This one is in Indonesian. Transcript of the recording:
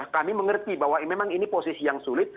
kami mengerti bahwa memang ini posisi yang sulit